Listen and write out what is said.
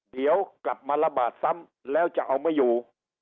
เดี๋ยวกลับมาระบาดซ้ำแล้วจะเอาไม่อยู่